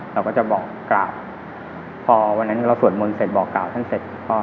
เราก็จะบอกกราบพอวันนั้นเราสวดมนต์เสร็จบอกกล่าวท่านเสร็จ